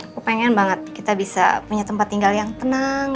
aku pengen banget kita bisa punya tempat tinggal yang tenang